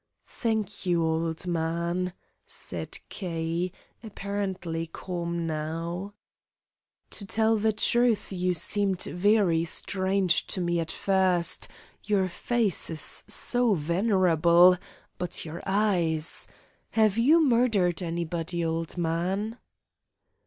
"Thank you, old man," said K., apparently calm now. "To tell the truth you seemed very strange to me at first; your face is so venerable, but your eyes. Have you murdered anybody, old man?"